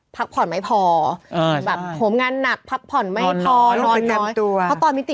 พักผ่อนพันท์ไม่พอ